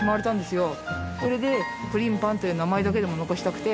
それでプリンパンという名前だけでも残したくて。